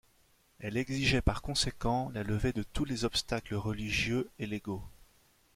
Elle exigeait par conséquent la levée de tous les obstacles religieux et légaux.